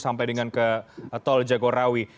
sampai dengan ke tol jagorawi